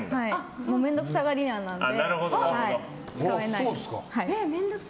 面倒くさがり屋なので。